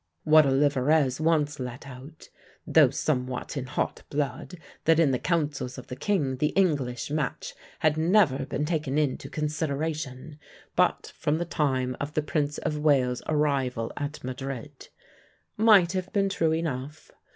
" What Olivarez once let out, "though somewhat in hot blood, that in the councils of the king the English match had never been taken into consideration, but from the time of the Prince of Wales's arrival at Madrid," might have been true enough.